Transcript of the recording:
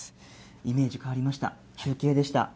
イメージ変わりました。